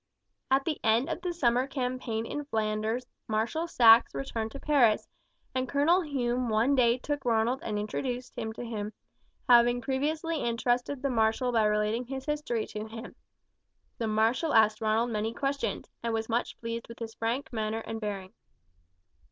At the end of the summer campaign in Flanders Marshal Saxe returned to Paris, and Colonel Hume one day took Ronald and introduced him to him, having previously interested the marshal by relating his history to him. The marshal asked Ronald many questions, and was much pleased with his frank manner and bearing.